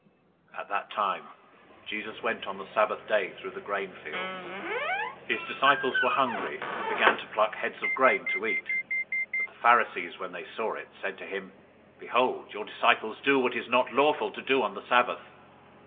012:001 At that time, Jesus went on the Sabbath day through the grain fields. His disciples were hungry and began to pluck heads of grain and to eat. 012:002 But the Pharisees, when they saw it, said to him, "Behold, your disciples do what is not lawful to do on the Sabbath."